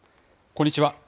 こんにちは。